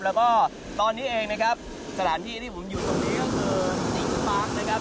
แล้วก็ตอนนี้เองนะครับสถานที่ที่ผมอยู่ตรงนี้ก็คือติงปาร์คนะครับ